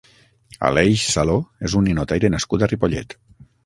Aleix Saló és un ninotaire nascut a Ripollet.